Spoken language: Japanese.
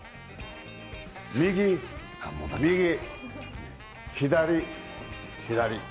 右、右左、左。